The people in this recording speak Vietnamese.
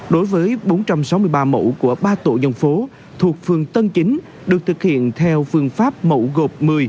đối với bốn trăm sáu mươi ba mẫu của ba tổ dân phố thuộc phường tân chính được thực hiện theo phương pháp mẫu gộp một mươi